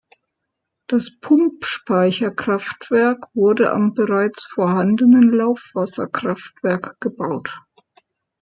Das Pumpspeicherkraftwerk wurde am bereits vorhandenen Laufwasserkraftwerk gebaut.